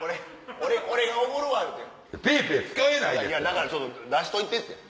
だからちょっと出しといてって。